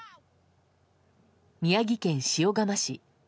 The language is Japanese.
宮城県塩竈市。